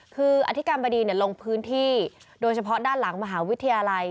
คืออธิการบดีลงพื้นที่โดยเฉพาะด้านหลังมหาวิทยาลัย